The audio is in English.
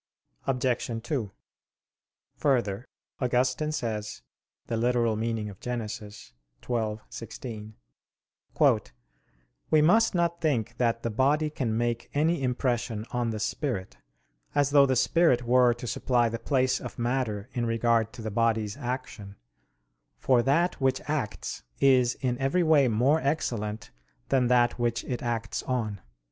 Obj. 2: Further, Augustine says (Gen. ad lit. xii, 16): "We must not think that the body can make any impression on the spirit, as though the spirit were to supply the place of matter in regard to the body's action; for that which acts is in every way more excellent than that which it acts on."